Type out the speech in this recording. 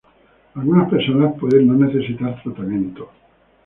Algunas personas pueden no necesitar tratamiento.